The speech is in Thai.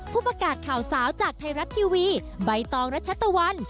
ผู้ประกาศข่าวสาวจากไทยรัฐทีวีใบตองรัชตะวัน